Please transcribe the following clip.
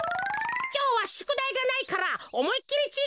きょうはしゅくだいがないからおもいっきりちぃ